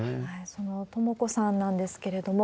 そのとも子さんなんですけれども、